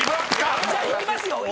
じゃあいきますよ。